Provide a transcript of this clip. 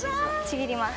ちぎります。